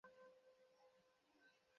তুই আমার ভাই।